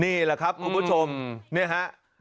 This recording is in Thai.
นี่แหละครับคุณผู้ชมเนี่ยฮะ